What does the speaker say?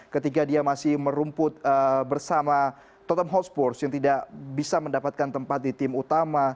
ketika dia masih merumput bersama tottenham hotspur yang tidak bisa mendapatkan tempat di tim utama